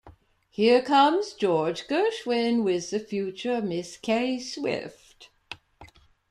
Here comes George Gershwin with the future Miss Kay Swift.